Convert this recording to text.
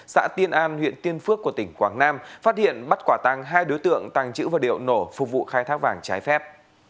xã tiên an huyện tiên phước của tỉnh quảng nam phát hiện bắt quả tăng hai đối tượng tăng chữ và điệu nổ phục vụ khai thác vàng trái phép